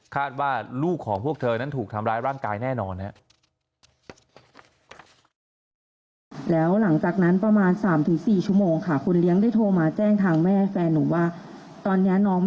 คาดว่าลูกของพวกเธอนั้นถูกทำร้ายร่างกายแน่นอน